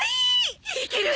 いける！